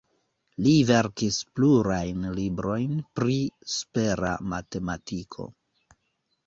Li verkis plurajn librojn pri supera matematiko.